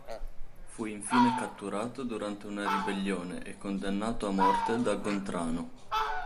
Fu infine catturato durante una ribellione e condannato a morte da Gontrano.